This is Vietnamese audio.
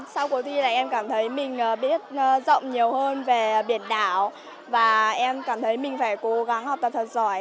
sau cuộc thi này em cảm thấy mình biết rộng nhiều hơn về biển đảo và em cảm thấy mình phải cố gắng học tập thật giỏi